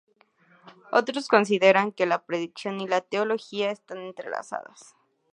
Otros consideran que la predicación y la teología están entrelazadas.